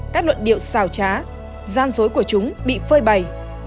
các luận điệu xào trá gian dối của chúng bị phơi bày